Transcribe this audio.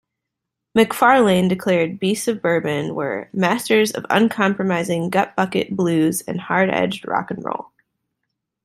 McFarlane declared Beasts of Bourborn were "masters of uncompromising gutbucket blues and hard-edged rock'n'roll".